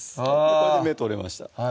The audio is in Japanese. これで目取れました